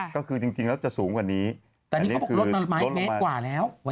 ก็คือจริงแล้วจะสูงกว่านี้แต่นี่เขาบอกลดมาเมตรกว่าแล้ว